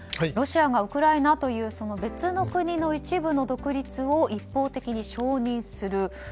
ロシアがウクライナという別の国の一部の独立を一方的に承認する。